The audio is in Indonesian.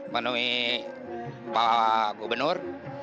menuhi pak gubernur